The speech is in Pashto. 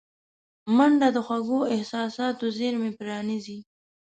منډه د خوږو احساساتو زېرمې پرانیزي